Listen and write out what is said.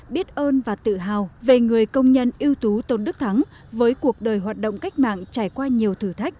biết ơn và tự hào về người công nhân ưu tú tôn đức thắng với cuộc đời hoạt động cách mạng trải qua nhiều thử thách